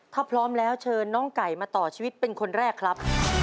ถ้าพร้อมแล้วเชิญน้องไก่มาต่อชีวิตเป็นคนแรกครับ